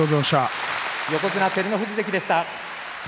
横綱照ノ富士関でした。